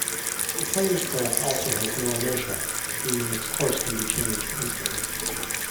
The player's craft also has no inertia, meaning its course can be changed instantly.